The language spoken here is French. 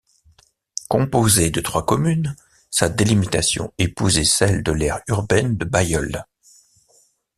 Composée de trois communes, sa délimitation épousait celle de l'aire urbaine de Bailleul.